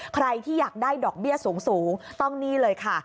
ใครที่อยากได้ดอกเบี้ยสูงต้องนี่เลยค่ะ